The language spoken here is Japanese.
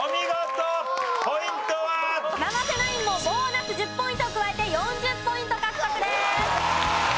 生瀬ナインもボーナス１０ポイントを加えて４０ポイント獲得です。